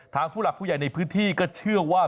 ผู้หลักผู้ใหญ่ในพื้นที่ก็เชื่อว่า